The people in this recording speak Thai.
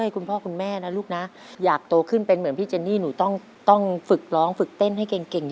คุณนี่มีของว่างให้น้องกินอะไรกันตลอด